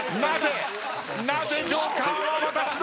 なぜ？